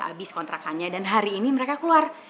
ketika mereka ngontrakannya dan hari ini mereka keluar